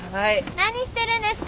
・何してるんですか？